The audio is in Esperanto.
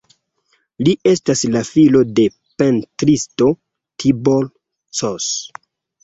Li estas la filo de pentristo Tibor Cs.